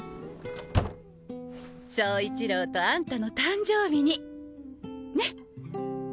走一郎とあんたの誕生日にね。